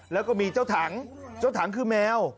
แล้วก็มีเจ้าถังเจ้าถังคือแมว